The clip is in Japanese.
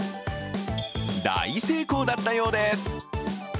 大成功だったようです。